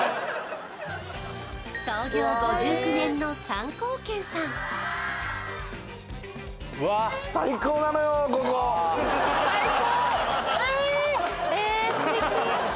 創業５９年の三幸軒さんえっ！